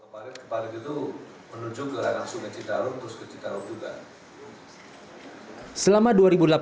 pabrik pabrik itu menuju ke aliran sungai citarum terus ke citarum juga